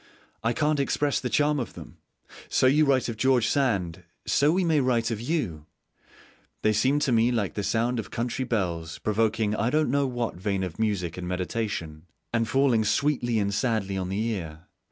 'I can't express the charm of them' (so you write of George Sand; so we may write of you): 'they seem to me like the sound of country bells, provoking I don't know what vein of music and meditation, and falling sweetly and sadly on the ear.'